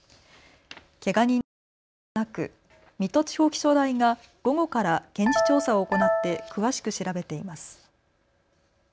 けが人の情報はなく、水戸地方気象台が午後から現地調査を行って詳しく調べています。